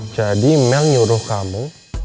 jadi mel nyuruh kamu